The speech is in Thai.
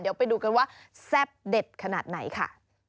เดี๋ยวไปดูกันว่าแซ่บเด็ดขนาดไหนค่ะ